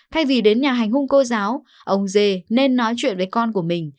thay vì đến nhà hành hung cô giáo ông dê nên nói chuyện với con của mình